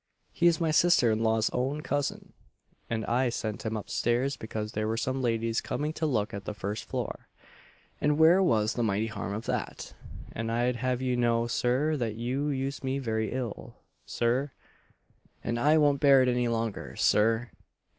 He's my sister in law's own cousin, and I sent him up stairs because there were some ladies coming to look at the first floor; and where was the mighty harm of that? And I'd have you to know, Sir, that you use me very ill, Sir! and I won't bear it any longer, Sir!